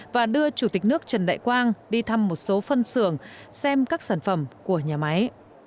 và đưa chủ tịch nước trần đại quang đi thăm một số phân xưởng xem các sản phẩm của nhà máy